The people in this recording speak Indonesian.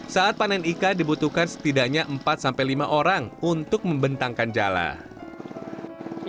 saat panen ikan dibutuhkan setidaknya empat sampai lima orang untuk membentangkan jalan